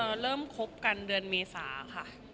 ครับเราเริ่มคบกันเดือนเมษาค่ะ